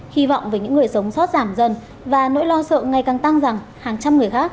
hy vọng về những người sống sót giảm dần và nỗi lo sợ ngày càng tăng rằng hàng trăm người khác